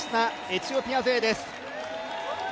エチオピア勢です。